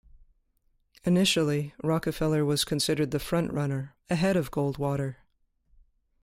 Initially, Rockefeller was considered the front-runner, ahead of Goldwater.